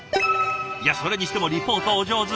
いやそれにしてもリポートお上手！